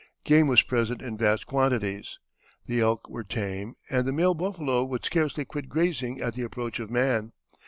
Game was present in vast quantities; the elk were tame, and the male buffalo would scarcely quit grazing at the approach of man.